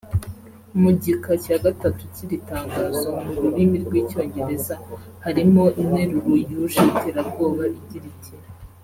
Mu gika cya gatatu cy’iri tangazo mu rurimi rw’icyongereza harimo interuro yuje iterabwoba igira iti